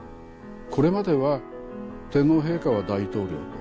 これまでは天皇陛下は大統領と。